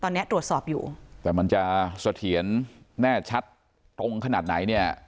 ตอนนี้ตรวจสอบอยู่แต่มันจะเสถียรแน่ชัดตรงขนาดไหนเนี่ย